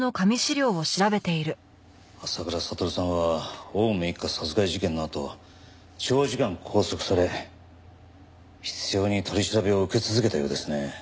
浅倉悟さんは青梅一家殺害事件のあと長時間拘束され執拗に取り調べを受け続けたようですね。